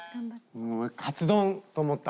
カツ丼と思った。